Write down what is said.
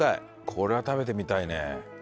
これは食べてみたいね。